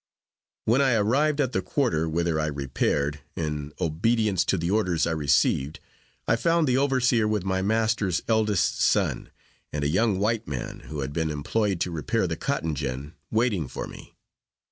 When I arrived at the quarter, whither I repaired, in obedience to the orders I received, I found the overseer with my master's eldest son, and a young white man, who had been employed to repair the cotton gin, waiting for me.